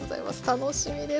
楽しみですね。